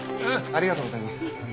ありがとうございます。